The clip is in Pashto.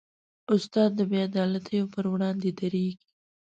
استاد د بېعدالتیو پر وړاندې دریږي.